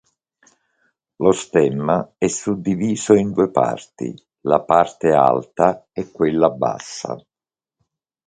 Lo stemma è suddiviso in due parti: la parte alta e quella bassa.